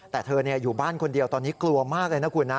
แต่เธออยู่บ้านคนเดียวตอนนี้กลัวมากเลยนะคุณนะ